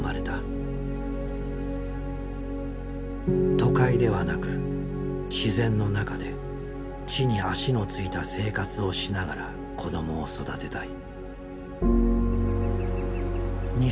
都会ではなく自然の中で地に足の着いた生活をしながら子どもを育てたい。